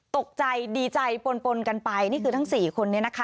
ตกใจดีใจปนปนกันไปนี่คือทั้ง๔คนนี้นะคะ